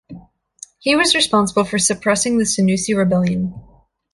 He was responsible for suppressing the Senussi rebellion.